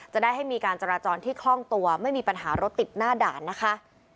จะได้ให้มีการจราจรที่คล่องตัวไม่มีปัญหารถติดหน้าด่านนะคะ